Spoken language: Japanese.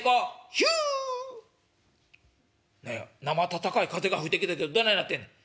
なま暖かい風が吹いてきたけどどないなってんねん」。